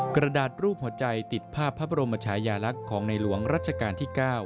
กระดาษรูปหัวใจติดภาพพระบรมชายาลักษณ์ของในหลวงรัชกาลที่๙